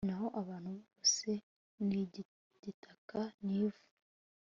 naho abantu, bose ni igitaka n'ivu